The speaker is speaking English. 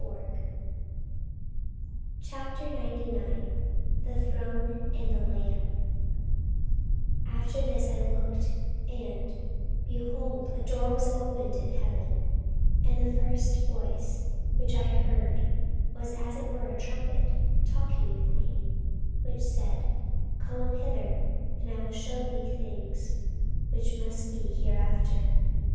CHAPTER 99 THE THRONE AND THE LAMB AFTER this I looked, and, behold, a door was opened in heaven: and the first voice which I heard was as it were of a trumpet talking with me; which said, Come up hither, and I will shew thee things which must be hereafter.